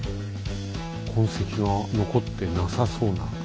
痕跡が残ってなさそうな。